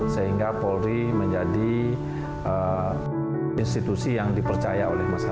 sehingga polri menjadi institusi yang dipercaya